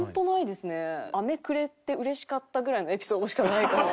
アメくれてうれしかったぐらいのエピソードしかないかも。